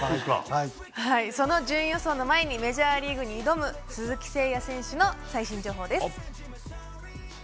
その順位予想の前にメジャーリーグに挑む鈴木誠也選手の最新情報です。